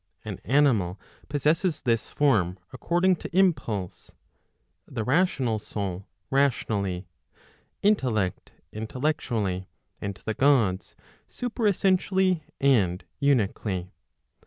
An animal possesses this form according to impulse; the rational soul rationally; intellect, intellectually; and the Gods superessentially and unically.